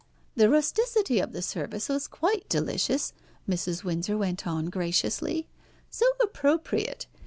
"The rusticity of the service was quite delicious," Mrs. Windsor went on graciously. "So appropriate!